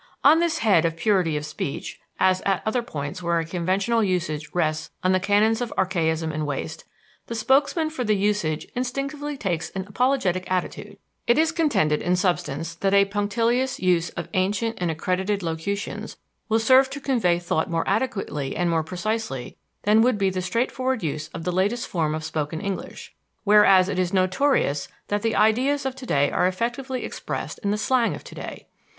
On this head of purity of speech, as at other points where a conventional usage rests on the canons of archaism and waste, the spokesmen for the usage instinctively take an apologetic attitude. It is contended, in substance, that a punctilious use of ancient and accredited locutions will serve to convey thought more adequately and more precisely than would be the straightforward use of the latest form of spoken English; whereas it is notorious that the ideas of today are effectively expressed in the slang of today.